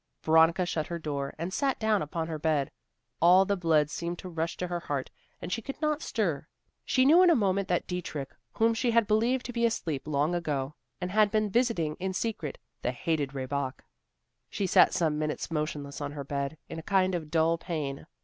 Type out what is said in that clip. Veronica shut her door, and sat down upon her bed. All the blood seemed to rush to her heart and she could not stir. She knew in a moment that Dietrich, whom she had believed to be asleep long ago, had been visiting in secret the hated Rehbock. She sat some minutes motionless on her bed, in a kind of dull pain.